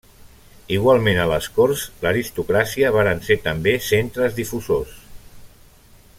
Igualment a les corts, l’aristocràcia varen ser també centres difusors.